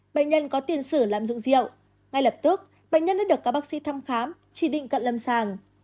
bệnh nhân có tiền sử lạm dụng rượu ngay lập tức bệnh nhân đã được các bác sĩ thăm khám chỉ định cận lâm sàng